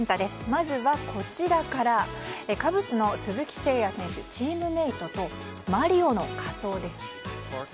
まずは、カブスの鈴木誠也選手チームメートとマリオの仮装です。